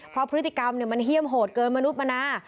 เพราะพฤติกรรมมันเฮี่ยมโหดเกินมนุษย์มนา